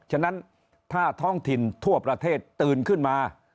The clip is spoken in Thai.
ฉะนั้นถ้าท้องถิ่นทั่วประเทศตื่นขึ้นมา